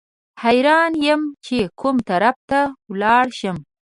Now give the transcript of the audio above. حیران یم چې کوم طرف ته ولاړ شم.